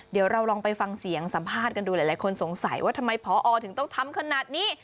เดี๋ยวเราลองไปฟังเสียงสัมภาษณ์กันดูหลายคนสงสัยว่าทำไมพอถึงต้องทำขนาดนี้